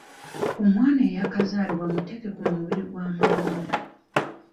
Omwana eyakazaalibwa muteeke ku mubiri gwa maama we.